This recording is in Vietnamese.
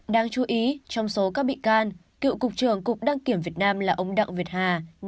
đáng chú ý trong số các bị can cựu cục trưởng cục đăng kiểm việt nam là ông đặng việt hà